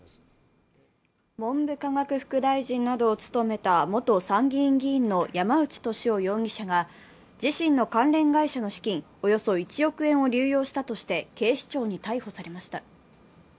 文部科学副大臣などを務めた元参議院議員の山内俊夫容疑者が自身の関連会社の資金およそ１億円を流用したとして警視庁に逮捕されました。